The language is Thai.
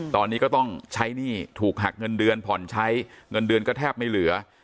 ตอนนี้ก็ต้องใช้หนี้ถูกหักเงินเดือนผ่อนใช้เงินเดือนก็แทบไม่เหลือ